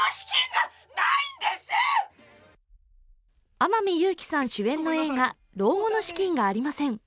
天海祐希さん主演の映画「老後の資金がありません！」。